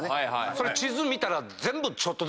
それ地図見たら。